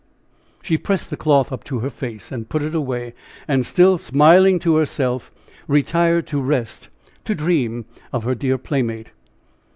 She pressed the cloth up to her face, and put it away, and, still smiling to herself, retired to rest, to dream of her dear playmate.